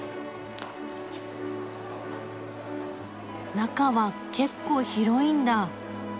中は結構広いんだ。